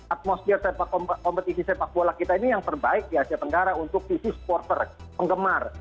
atmosfer kompetisi sepak bola kita ini yang terbaik di asia tenggara untuk sisi supporter penggemar